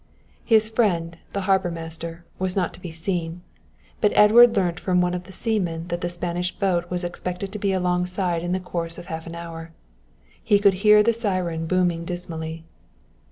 His friend, the harbour master, was not to be seen, but Edward learnt from one of the seamen that the Spanish boat was expected to be alongside in the course of half an hour. He could hear the syren booming dismally.